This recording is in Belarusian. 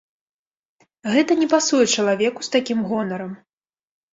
Гэта не пасуе чалавеку з такім гонарам.